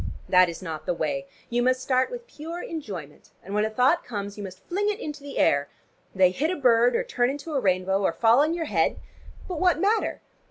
That is not the way. You must start with pure enjoyment, and when a thought comes, you must fling it into the air. They hit a bird, or turn into a rainbow, or fall on your head but what matter?